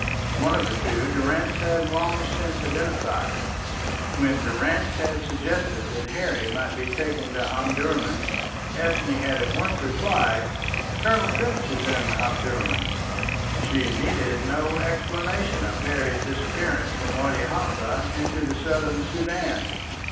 One of the two Durrance had long since identified. When Durrance had suggested that Harry might be taken to Omdurman, Ethne had at once replied, "Colonel Trench is in Omdurman." She needed no explanation of Harry's disappearance from Wadi Halfa into the southern Soudan.